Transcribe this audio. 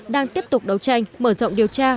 đang tiếp tục đấu tranh mở rộng điều tra